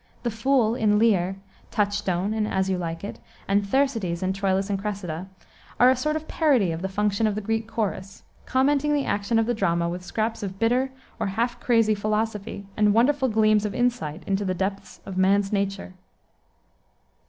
The Fool in Lear, Touchstone in As You Like It, and Thersites in Troilus and Cressida, are a sort of parody of the function of the Greek chorus, commenting the action of the drama with scraps of bitter, or half crazy, philosophy, and wonderful gleams of insight into the depths of man's nature.